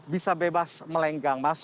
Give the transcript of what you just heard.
bisa bebas melenggang